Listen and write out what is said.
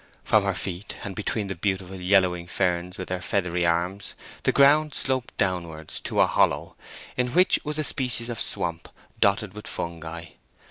From her feet, and between the beautiful yellowing ferns with their feathery arms, the ground sloped downwards to a hollow, in which was a species of swamp, dotted with fungi.